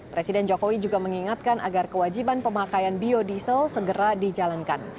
presiden jokowi juga mengingatkan agar kewajiban pemakaian biodiesel segera dijalankan